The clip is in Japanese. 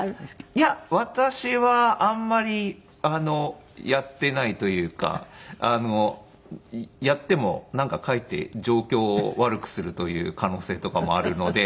いや私はあんまりやっていないというかやってもなんかかえって状況を悪くするという可能性とかもあるので。